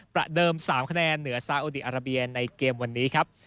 ประเดิม๓คะแนนเหนือซาอุดีอาราเบียในเกมวันนี้ครับ